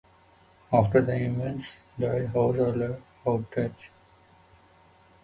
After the Eameses died, the house was left largely untouched.